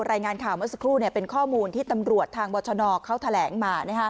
รายงานข่าวเมื่อสักครู่เป็นข้อมูลที่ตำรวจทางบรชนเขาแถลงมา